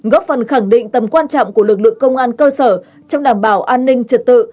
góp phần khẳng định tầm quan trọng của lực lượng công an cơ sở trong đảm bảo an ninh trật tự